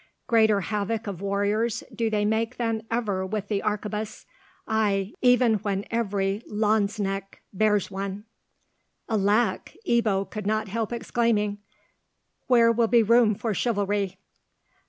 Greater havoc of warriors do they make than ever with the arquebus—ay, even when every lanzknecht bears one." "Alack!" Ebbo could not help exclaiming, "where will be room for chivalry?"